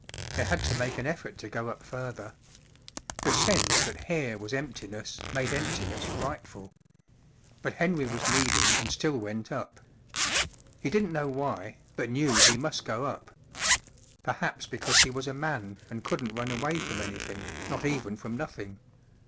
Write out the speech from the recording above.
They had to make an effort to go up further. The sense that here was emptiness made emptiness frightful. But Henry was leading and still went up. He didn't know why, but knew he must go up. Perhaps because he was a man and couldn't run away from anything, not even from nothing.